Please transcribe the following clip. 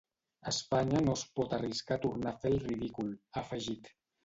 Espanya no es pot arriscar a tornar a fer el ridícul, ha afegit.